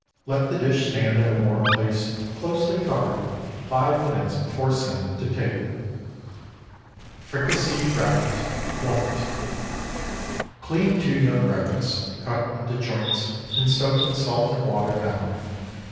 Let the dish stand in a warm place, closely covered, five minutes before sending to table. FRICASSEED RABBIT. (White.) ✠ Clean two young rabbits, cut into joints, and soak in salt and water an hour.